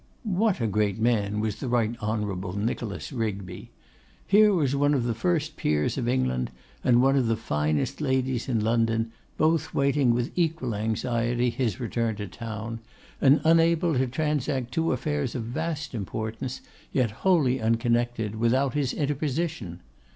What a great man was the Right Honourable Nicholas Rigby! Here was one of the first peers of England, and one of the finest ladies in London, both waiting with equal anxiety his return to town; and unable to transact two affairs of vast importance, yet wholly unconnected, without his interposition!